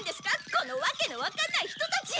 このワケのわかんない人たち。